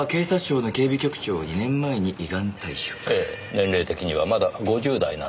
年齢的にはまだ５０代なのに。